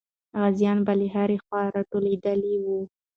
غازیان به له هرې خوا راټولېدلې وو.